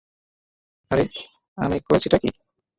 আরে, আমি করেছিটা কী?